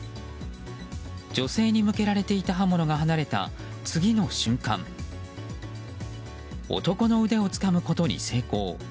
女性に向けられていた刃物が離れた、次の瞬間男の腕をつかむことに成功。